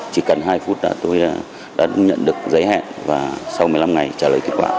chỉ cần hai phút là tôi đã nhận được giấy hẹn và sau một mươi năm ngày trả lời kết quả